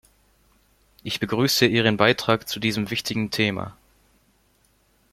Ich begrüße Ihren Beitrag zu diesem wichtigen Thema.